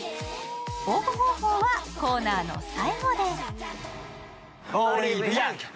応募方法はコーナーの最後で。